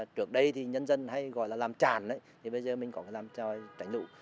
trước đây thì nhân dân hay gọi là làm tràn bây giờ mình có làm tránh lũ